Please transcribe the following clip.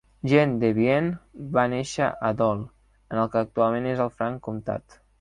Jean de Vienne va néixer a Dole, en el que actualment és el Franc Comtat.